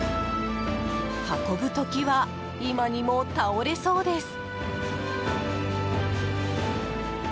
運ぶ時は、今にも倒れそうです。